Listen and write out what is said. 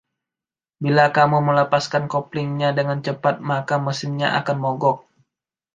Bila kamu melepaskan koplingnya dengan cepat, maka mesinnya akan mogok.